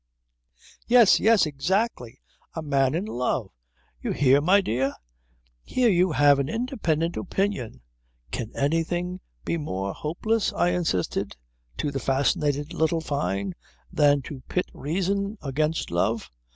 "Yes! Yes! Exactly. A man in love ... You hear, my dear? Here you have an independent opinion " "Can anything be more hopeless," I insisted to the fascinated little Fyne, "than to pit reason against love.